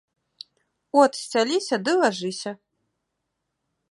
От сцяліся ды лажыся.